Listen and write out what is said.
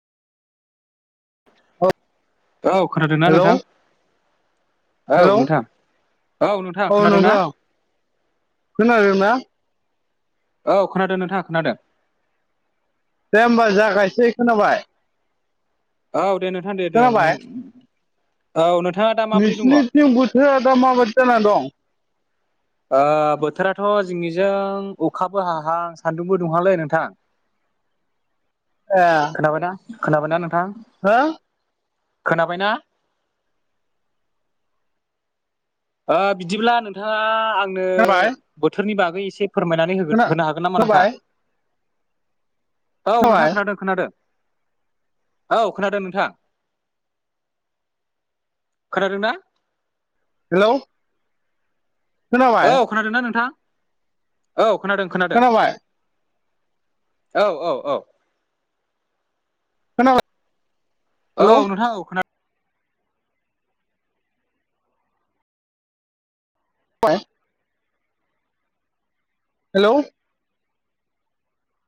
औ औ खोनादोंना हेलौ नोंथां? औ हेलौ नोंथां औ नोंथां खोनादों ना? खोनादों ना? औ खोनादों नोंथाङा खोनादों दे होमबा जागायसै खोनाबाय औ दे नोंथां दे दे नों खोनाबाय औ नोंथाङा दा माबोरै दङ'? नोंसिनिथिं [unintelligible] दा माबायदि जानानै दं? ओ बोथोराथ' जिंनिजों अखाबो हाहां सान्दुंबो दुंहांलै नोंथां। ए खोनाबायना खोनाबायना नोंथां? हो खोनाबायना ओ बिदिब्ला नोंथाङा आंनो खोनाबाय बोथोरनि बागै एसे फोरमायनानै होगोन खोना होनो हागोन नामा खोनाबाय नोंथां? औ नोंथां खोनाबाय खोनादों खोनादों औ खोनादों नोंथां खोनादों ना? हेलौ खोनाबाय औ खोनादोंना नोंथां औ खोनादों खोनादों खोनाबाय औ औ औ खोना [unintelligible] औ नोंथां औ खोना [unintelligible] हेलौ